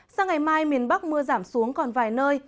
sang ngày mai miền bắc mưa giảm xuống còn vài nơi